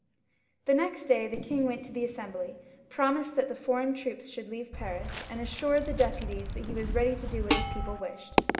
The next day the king went to the Assembly, promised that the foreign troops should leave Paris, and assured the deputies that he was ready to do what his people wished.